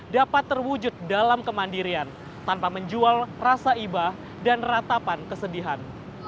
dapat terwujud dalam kemandirian tanpa menjual rasa ibah dan ratapan kesedihan